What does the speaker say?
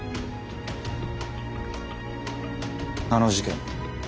あの事件